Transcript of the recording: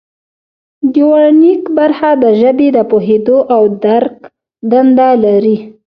د ورنیک برخه د ژبې د پوهیدو او درک دنده لري